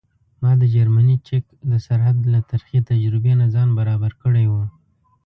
ما د جرمني چک د سرحد له ترخې تجربې نه ځان برابر کړی و.